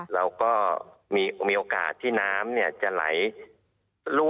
แล้วก็มีโอกาสที่น้ำจะไหล